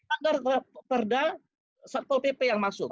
agar perda satpol pp yang masuk